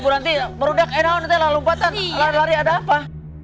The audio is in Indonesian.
berhenti merudak enak lompatan lari lari ada apa